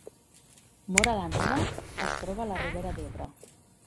Móra la Nova es troba a la Ribera d’Ebre